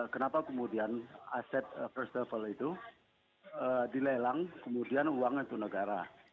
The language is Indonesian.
kenapa kemudian aset first travel itu dilelang kemudian uangnya itu negara